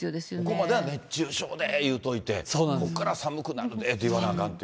ここまで熱中症でいうといて、ここから寒くなるでって言わなあかんって。